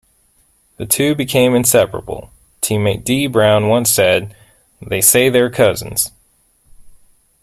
The two became inseparable; teammate Dee Brown once said, They say they're cousins...